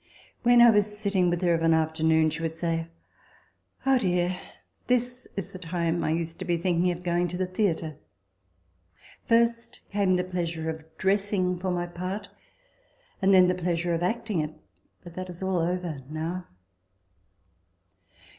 When I was sitting with her of an afternoon, she would say, " Oh, dear ! this is the time I used to be thinking of going to the theatre : first came the pleasure of dressing for my part ; and then the pleasure of acting it : but that is all over now."